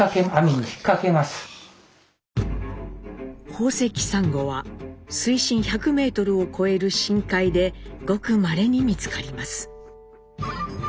宝石サンゴは水深１００メートルを超える深海でごくまれに見つかります。